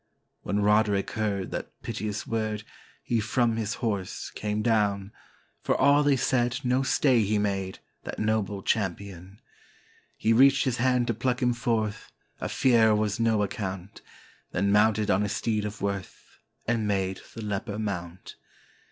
When Roderick heard that piteous word, he from his horse came down; For all they said no stay he made, that noble champion; He reached his hand to pluck him forth, of fear was no account, Then mounted on his steed of worth, and made the leper mount.